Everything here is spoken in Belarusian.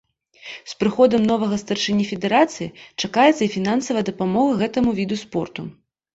З прыходам новага старшыні федэрацыі чакаецца і фінансавая дапамога гэтаму віду спорту.